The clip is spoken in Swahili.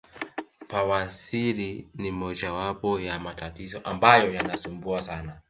Bawasiri ni mojawapo ya matatizo ambayo yanasumbua sana